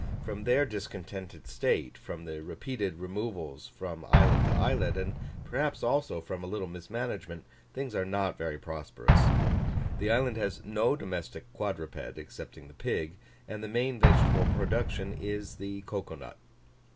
From their discontented state, from the repeated removals from islet to islet, and perhaps also from a little mismanagement, things are not very prosperous. The island has no domestic quadruped, excepting the pig, and the main vegetable production is the cocoa nut.